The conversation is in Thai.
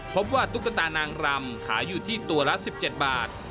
ตุ๊กตานางรำขายอยู่ที่ตัวละ๑๗บาท